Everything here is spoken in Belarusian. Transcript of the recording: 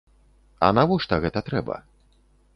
А навошта гэта трэба?